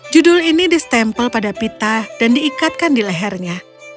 judul ini distempel pada pita dan diikatkan di lehernya